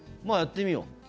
まぁやってみよう。